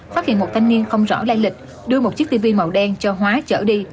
phát hiện một thanh niên không rõ lai lịch đưa một chiếc tivi màu đen cho hóa chở đi